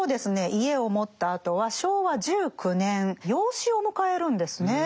家を持ったあとは昭和１９年養子を迎えるんですね。